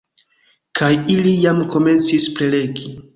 Kaj ili jam komencis prelegi